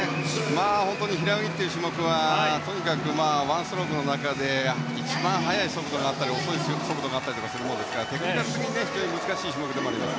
平泳ぎという種目は１ストロークの中で一番速い速度があったり遅い速度があったりしますからテクニカル的に非常に難しい種目でもあります。